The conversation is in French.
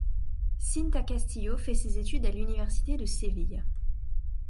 Cinta Castillo fait ses études à l'université de Séville.